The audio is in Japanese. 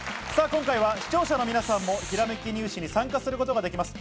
今回は視聴者の皆さんも、ひらめき入試に参加することができます。